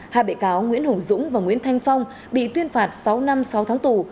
hai bị cáo nguyễn hùng dũng và nguyễn thanh phong bị tuyên phạt sáu năm sáu tháng tù